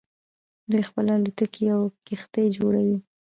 دوی خپله الوتکې او کښتۍ جوړوي.